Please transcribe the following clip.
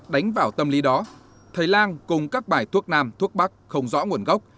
đánh vào tâm lý đó thầy lan cùng các bài thuốc nam thuốc bắc không rõ nguồn gốc